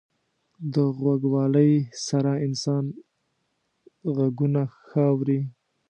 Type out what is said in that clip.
• د غوږوالۍ سره انسانان ږغونه ښه اوري.